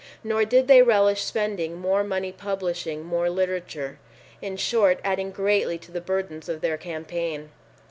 Nor did they relish spending more money publishing more literature, in short, adding greatly to the burdens of their campaign.